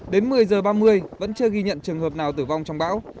đến một mươi h ba mươi vẫn chưa ghi nhận trường hợp nào tử vong trong bão